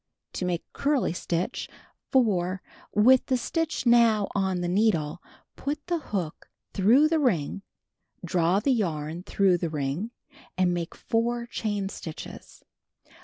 To Make Curly Stitch: 4. With the slilch now on the needle, put tli<> hook tlu ough the ring, draw the yarn through the ling, and make 1 chain stitches.